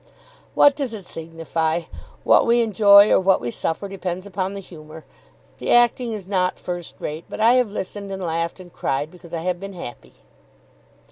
"What does it signify? What we enjoy or what we suffer depends upon the humour. The acting is not first rate, but I have listened and laughed and cried, because I have been happy."